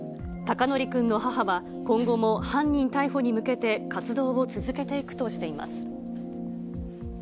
孝徳君の母は、今後も犯人逮捕に向けて活動を続けていくとしています。